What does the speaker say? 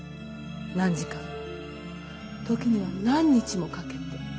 何時間も時には何日もかけて。